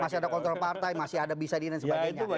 masih ada kontrol partai masih ada bisa di dan sebagainya